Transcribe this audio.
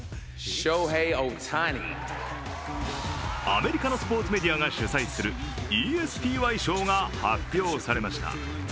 アメリカのスポーツメディアが主催するＥＳＰＹ賞が発表されました。